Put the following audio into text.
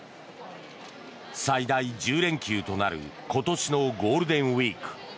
最大１０連休となる今年のゴールデンウィーク。